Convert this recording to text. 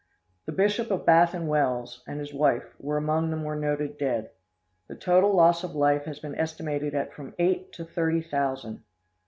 The Bishop of Bath and Wells, and his wife, were among the more noted dead. The total loss of life has been estimated at from eight to thirty thousand.